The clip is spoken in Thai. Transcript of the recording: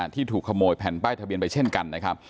ที่ถูกขโมยแผ่นป้ายทะเบียนไปเช่นกันนะครับ